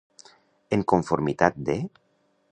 En conformitat de.